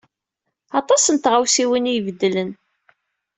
Aṭas n tɣawsiwin ay ibeddlen.